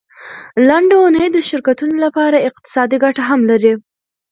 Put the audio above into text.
لنډه اونۍ د شرکتونو لپاره اقتصادي ګټه هم لري.